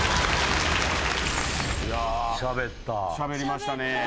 しゃべりましたね。